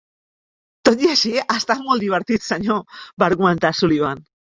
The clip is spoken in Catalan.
"Tot i així, ha estat molt divertit, senyor", va argumentar Sullivan.